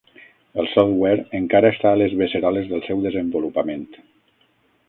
El software encara està a les beceroles del seu desenvolupament.